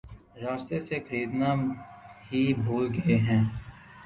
راستے سے خریدنا ہی بھول گئے ہیں